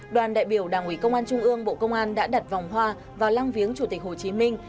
đoàn đại biểu đảng ủy công an trung ương bộ công an đã đặt vòng hoa vào lăng viếng chủ tịch hồ chí minh